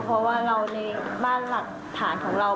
เพราะว่าเราในบ้านหลักฐานของเรา